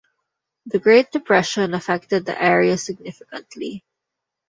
The Great Depression affected the area significantly.